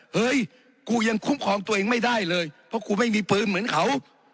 เฮ้ยกูยังคุ้มครองตัวเองไม่ได้เลยเพราะกูไม่มีปืนเหมือนเขา